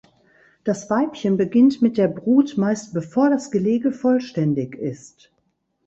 Das Weibchen beginnt mit der Brut meist bevor das Gelege vollständig ist.